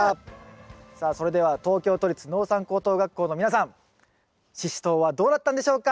さあそれでは東京都立農産高等学校の皆さんシシトウはどうなったんでしょうか？